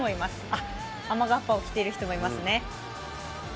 あっ、雨がっぱを着ている人もいますね。